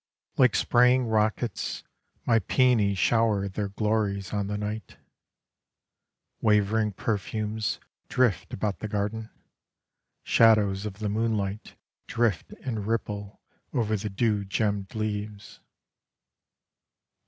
Like spraying rockets My peonies shower Their glories on the night. Wavering perfumes, Drift about the garden; Shadows of the moonlight, Drift and ripple over the dew gemmed leaves.